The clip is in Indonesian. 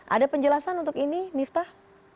ada penjelasan untuk ini miftah